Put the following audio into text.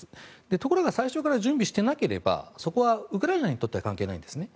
ところが最初から準備していなければそこはウクライナにとっては関係ないんですね。